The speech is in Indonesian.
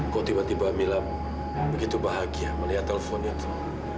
kok tiba tiba mila begitu bahagia melihat teleponnya tuh